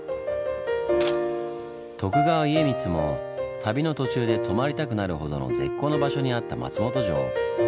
徳川家光も旅の途中で泊まりたくなるほどの絶好の場所にあった松本城。